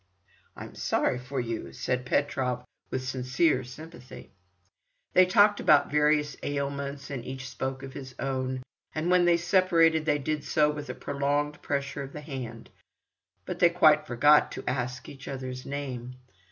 "I'm sorry for you," said Petrov with sincere sympathy. They talked about various ailments, and each spoke of his own, and when they separated they did so with a prolonged pressure of the hand, but they quite forgot to ask each other's name.